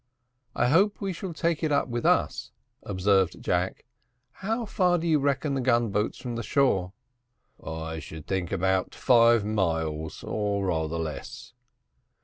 "I hope we shall take it up with us," observed Jack; "how far do you reckon the gun boats from the shore?" "I should think about five miles, or rather less."